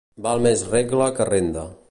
Val més regla que renda.